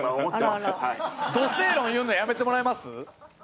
ど正論言うのやめてもらえます？